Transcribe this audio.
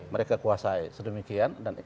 mereka kuasai sedemikian